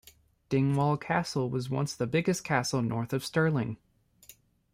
Dingwall Castle was once the biggest castle north of Stirling.